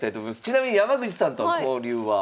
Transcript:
ちなみに山口さんとの交流は？